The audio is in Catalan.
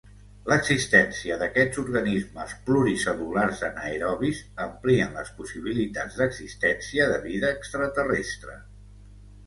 L'existència d'aquests organismes pluricel·lulars anaerobis amplien les possibilitats d'existència de vida extraterrestre.